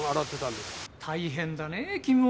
大変だねぇ君も。